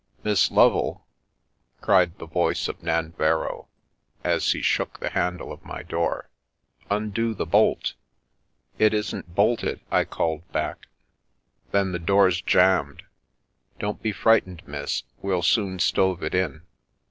" Miss Lovel !" cried the voice of Nanverrow, as shook the handle of my door. " Undo the bolt !"" It isn't bolted !" I called back. " Then the door's jammed. Don't be frightened, mi we'll soon stove it in."